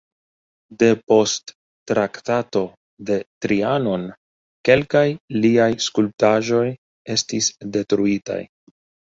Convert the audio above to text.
Depost Traktato de Trianon kelkaj liaj skulptaĵoj estis detruitaj.